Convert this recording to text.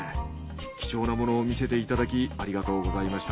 貴重なものを見せていただきありがとうございました。